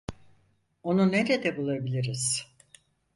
Onu nerede bulabiliriz?